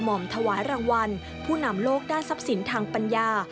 กะหม่อมชัยถวายรางวัลผู้นำโลกด้านทัพศิลป์ทางปัญญา